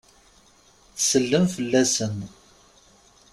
Tsellem fell-asen.